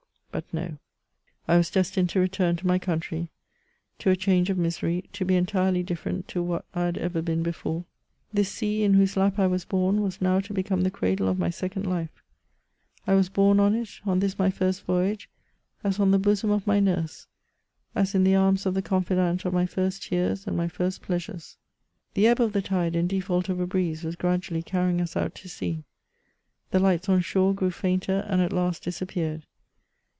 But, no I I was destined to return to my country, to a change of misery — to be entirely different to what I had ever been before. This sea, in whose lap 1 was bom, was now to become the cradle of my second life ; I was borne on it, on this my first voyage, as on the bosom of my nurse, as in the arms of the confidante of my first tears and my first pleasures. The ebb of the tide, in de&ult of a breeze, was gradually carry ing us out to sea, the lights on shore grew fainter, and at last disappeared.